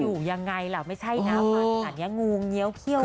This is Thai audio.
จะอยู่ยังไงล่ะไม่ใช่น้ำอันนี้งูเงียวเขี้ยวของ